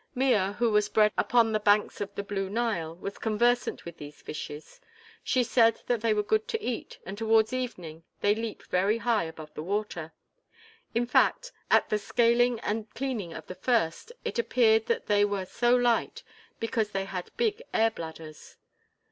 Mea, who was bred upon the banks of the Blue Nile, was conversant with these fishes; she said that they were good to eat and towards evening they leap very high above the water. In fact, at the scaling and cleaning of the first it appeared that they were so light because they had big air bladders.